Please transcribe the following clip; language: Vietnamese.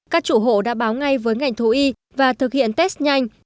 các chủ hộ đã báo ngay với ngành thú y và thực hiện test nhanh